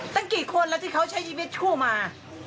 ตั้งกี่คนแล้วที่เขาใช้ชีวิตคู่มา